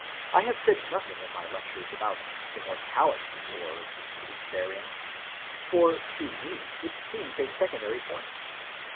I have said nothing in my lectures about immortality or the belief therein, for to me it seems a secondary point.